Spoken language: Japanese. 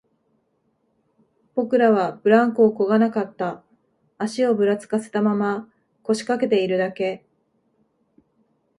僕らはブランコをこがなかった、足をぶらつかせたまま、腰掛けているだけ